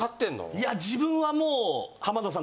いや自分はもう。